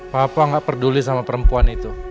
papa nggak peduli sama perempuan itu